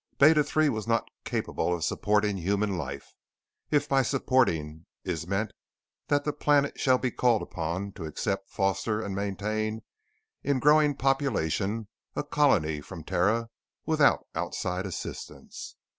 Beta III was not capable of supporting human life if by 'supporting' is meant that the planet shall be called upon to accept, foster, and maintain in growing population a colony from Terra without outside assistance.